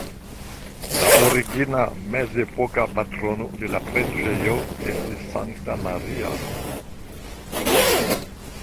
La origina mezepoka patrono de la preĝejo estis Sankta Maria.